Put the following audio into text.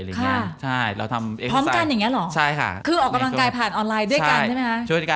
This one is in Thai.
ใช่พร้อมกันอย่างเงี้ยหรอใช่ค่ะคือออกกำลังกายผ่านออนไลน์ด้วยกันใช่มั้ยคะ